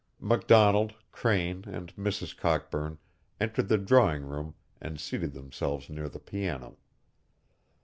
McDonald, Crane, and Mrs. Cockburn entered the drawing room and seated themselves near the piano.